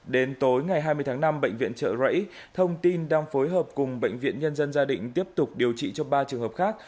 đến tối ngày hai mươi tháng năm bệnh viện trợ rẫy thông tin đang phối hợp cùng bệnh viện nhân dân gia định tiếp tục điều trị cho ba trường hợp khác